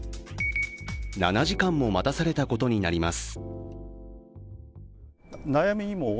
７時間も待たされたことになります。